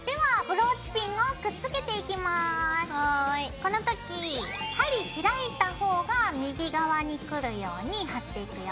この時針開いた方が右側にくるように貼っていくよ。